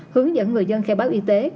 hướng dẫn người dân khe báo y tế